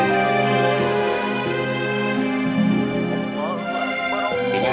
ini udah asal bu